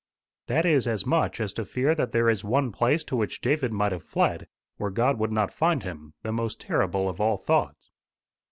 "That is as much as to fear that there is one place to which David might have fled, where God would not find him the most terrible of all thoughts."